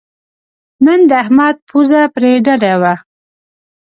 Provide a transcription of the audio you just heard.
نن د احمد پوزه پرې ډډه وه.